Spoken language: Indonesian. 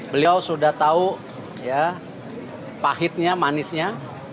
beliau sudah tahu pahitnya manisnya